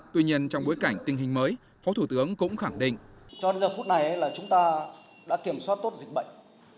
phút này là chúng ta đã kiểm soát tốt dịch bệnh